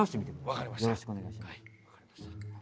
わかりました。